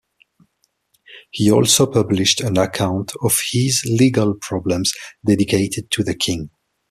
He also published an account of his legal problems, dedicated to the King.